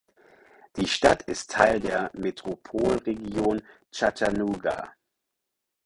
Die Stadt ist Teil der Metropolregion Chattanooga.